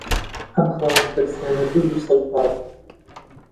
ئەم خاوەن تاکسییانە دز و سەگبابن